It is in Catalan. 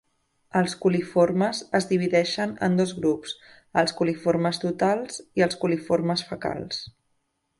Els coliformes es divideixen en dos grups, els coliformes totals i els coliformes fecals.